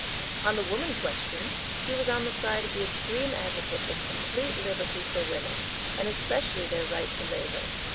On the woman question he was on the side of the extreme advocates of complete liberty for women, and especially their right to labor.